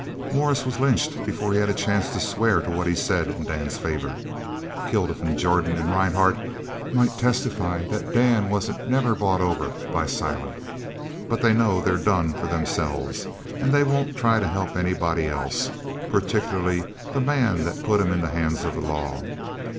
"Morris was lynched before he had a chance to swear to what he said in Dan's favour. Kilduff an' Jordan an' Rhinehart might testify that Dan wasn't never bought over by Silent, but they know they're done for themselves, an' they won't try to help anybody else, particular the man that put 'em in the hands of the law.